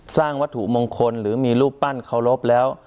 สร้างวัตถุมงคลหรือมีรูปปั้นเคารพแล้ว